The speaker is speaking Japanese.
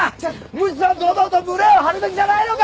むしろ堂々と胸を張るべきじゃないのか！？